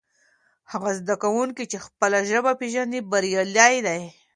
هغه زده کوونکی چې خپله ژبه پېژني بریالی دی.